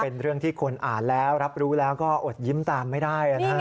เป็นเรื่องที่คนอ่านแล้วรับรู้แล้วก็อดยิ้มตามไม่ได้นะฮะ